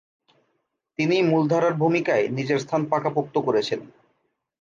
তিনি মূলধারার ভূমিকায় নিজের স্থান পাকাপোক্ত করেছেন।